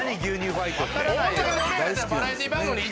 バラエティー番組の一